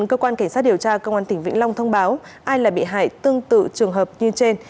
cơ quan cảnh sát điều tra công an tỉnh vĩnh long thông báo ai là bị hại tương tự trường hợp như trên